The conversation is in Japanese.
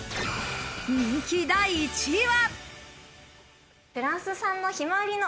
人気第１位は。